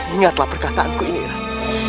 ingatlah perkataanku ini rai